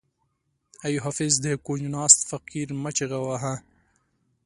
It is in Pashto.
ای حافظ د کونج ناست فقیر مه چیغه وهه.